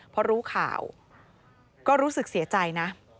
พอรู้ข่าวก็รู้สึกเสียใจนะ